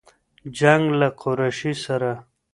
جـنــګ له قــــريــشي ســــره